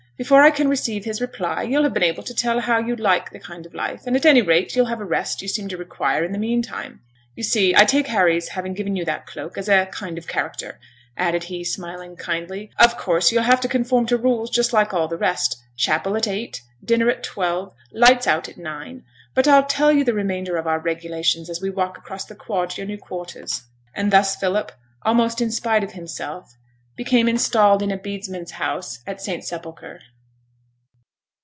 Before I can receive his reply you'll have been able to tell how you'd like the kind of life; and at any rate you'll have the rest you seem to require in the meantime. You see, I take Harry's having given you that cloak as a kind of character,' added he, smiling kindly. 'Of course you'll have to conform to rules just like all the rest, chapel at eight, dinner at twelve, lights out at nine; but I'll tell you the remainder of our regulations as we walk across quad to your new quarters.' And thus Philip, almost in spite of himself, became installed in a bedesman's house at St Sepulchre.